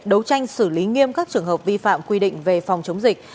đấu tranh xử lý nghiêm các trường hợp vi phạm quy định về phòng chống dịch